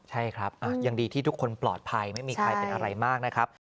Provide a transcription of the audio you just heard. ใช่ครับยังดีที่ทุกคนปลอดภัยไม่มีใครเป็นอะไรมากนะครับ